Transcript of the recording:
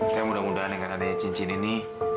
kita mudah mudahan dengan adanya cincin ini